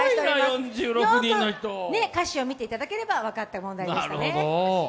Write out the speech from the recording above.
よく歌詞を見ていただければ分かった問題でしたね。